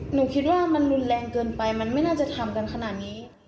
หนูคิดว่ามันรุนแรงเกินไปมันไม่น่าจะทำกันขนาดนี้